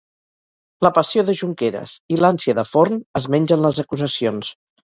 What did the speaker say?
La passió de Junqueras i l'ànsia de Forn es mengen les acusacions.